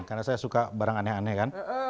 karena saya suka barang aneh aneh kan